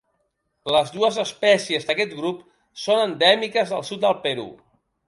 Les dues espècies d'aquest grup són endèmiques del sud del Perú.